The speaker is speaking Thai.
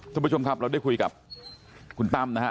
คุณผู้ชมครับเราได้คุยกับคุณตั้มนะฮะ